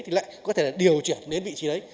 thì lại có thể là điều chuyển đến vị trí đấy